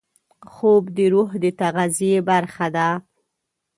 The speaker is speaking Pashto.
خوب د روح د تغذیې برخه ده